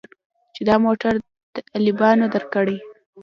چې دا موټر طالبانو درکړى.